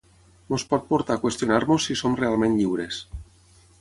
ens pot portar a qüestionar-nos si som realment lliures